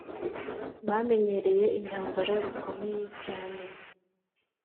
bamenyereye intambara bikomeye cyane